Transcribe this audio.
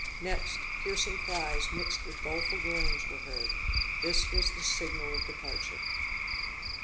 Next, piercing cries mixed with doleful groans were heard this was the signal of departure.